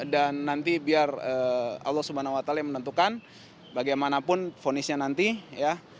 dan nanti biar allah swt yang menentukan bagaimanapun fonisnya nanti ya